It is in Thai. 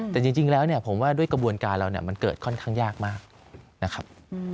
แต่จริงแล้วเนี่ยผมว่าด้วยกระบวนการเราเนี่ยมันเกิดค่อนข้างยากมากนะครับ